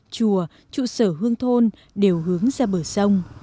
chùa trụ sở hương thôn đều hướng ra bờ sông